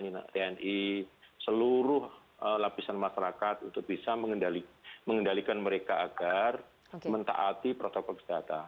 jadi kita harus eksperen undang undang agar kita bisa mengendalikan seluruh lapisan masyarakat untuk bisa mengendalikan mereka agar mentaati protokol kesehatan